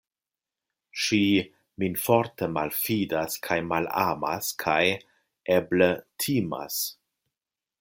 Ŝi min forte malfidas kaj malamas kaj, eble, timas.